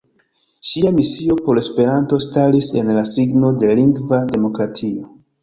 Ŝia misio por Esperanto staris en la signo de lingva demokratio.